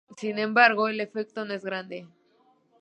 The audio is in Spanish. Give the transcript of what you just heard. Sin embargo, el efecto no es grande.